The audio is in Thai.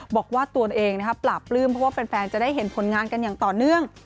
บอกว่าตัวเองปราบปลื้มเพราะว่าแฟนจะได้เห็นผลงานกันอย่างต่อเนื่อง